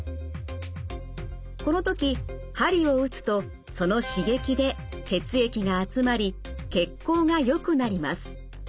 この時鍼を打つとその刺激で血液が集まり血行がよくなります。